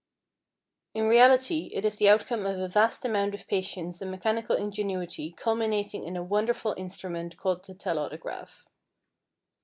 In reality it is the outcome of a vast amount of patience and mechanical ingenuity culminating in a wonderful instrument called the Telautograph.